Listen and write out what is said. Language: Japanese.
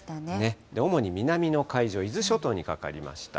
主に南の海上、伊豆諸島にかかりました。